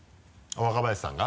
若林さんが？